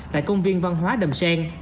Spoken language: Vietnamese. tại công viên văn hóa đầm sen